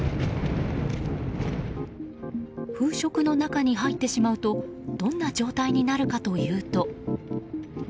風食の中に入ってしまうとどんな状態になるかというと。